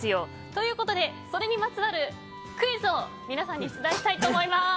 ということで、それにまつわるクイズを皆さんに出題したいと思います。